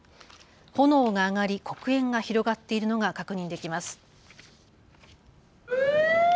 炎が上がり黒煙が広がっているのが確認できます。